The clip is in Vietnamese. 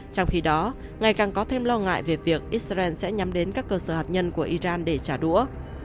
trong khi đó ngày càng có thêm lo ngại về việc israel sẽ nhắm đến các cơ sở hạt nhân của iran để trả đũa